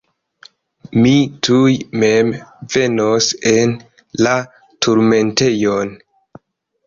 Mi tuj mem venos en la turmentejon.